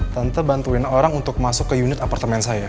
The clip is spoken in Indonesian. tante bantuin orang untuk masuk ke unit apartemen saya